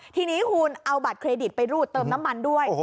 ทีนี้คุณเอาบัตรเครดิตไปรูดเติมน้ำมันด้วย